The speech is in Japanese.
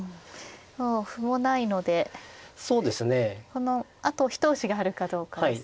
このあと一押しがあるかどうかですね。